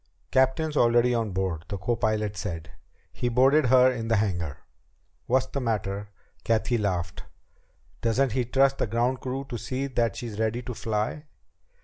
"Captain's already on board," the copilot said. "He boarded her in the hangar." "What's the matter?" Cathy laughed. "Doesn't he trust the ground crew to see that she's ready to fly?"